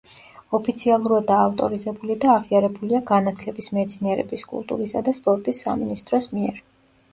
ოფიციალურადაა ავტორიზებული და აღიარებულია განათლების, მეცნიერების, კულტურისა და სპორტის სამინისტროს მიერ.